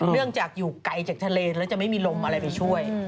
เนื่องจากอยู่ไกลจากทะเลแล้วจะไม่มีลมอะไรไปช่วย